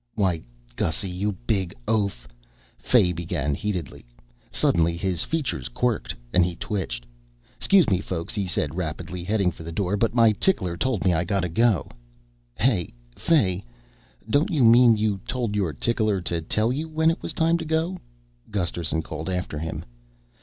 "Why, Gussy, you big oaf " Fay began heatedly. Suddenly his features quirked and he twitched. "'Scuse me, folks," he said rapidly, heading for the door, "but my tickler told me I gotta go." "Hey Fay, don't you mean you told your tickler to tell you when it was time to go?" Gusterson called after him.